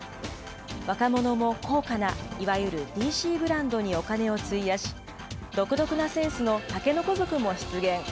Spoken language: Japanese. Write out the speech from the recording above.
若者も高価ないわゆるＤＣブランドにお金を費やし、独特なセンスの竹の子族も出現。